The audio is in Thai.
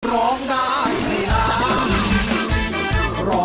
ร้องได้ให้ล้าน